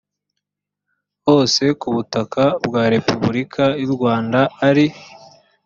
hose ku butaka bwa repubulika y’u rwanda ari